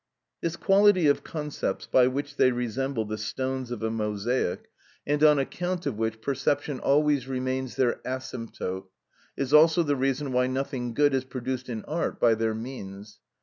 (16) This quality of concepts by which they resemble the stones of a mosaic, and on account of which perception always remains their asymptote, is also the reason why nothing good is produced in art by their means.